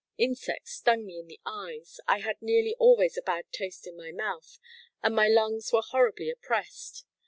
Insects stung me in the eyes. I had nearly always a bad taste in my mouth, and my lungs were horribly oppressed.